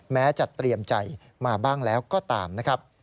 แม้จะเตรียมใจมาบ้างแล้วก็ตามนะครับ